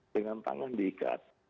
dengan tangan diikat